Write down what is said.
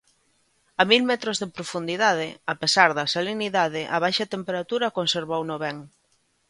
A mil metros de profundidade, a pesar da salinidade, a baixa temperatura conservouno ben.